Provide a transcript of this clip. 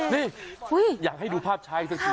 นี่อยากให้ดูภาพชายสักที